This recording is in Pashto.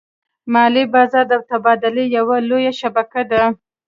مالي بازار د تبادلې یوه لویه شبکه ده.